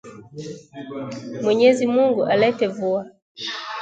Mwenyezi Mungu alete vua,